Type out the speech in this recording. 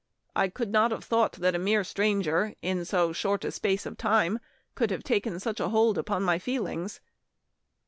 I could not have thought that a mere stranger in so short a space of time could have taken such a hold upon my feelings."